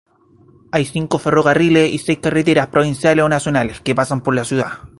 Hay cinco ferrocarriles y seis carreteras provinciales o nacionales que pasan por la ciudad.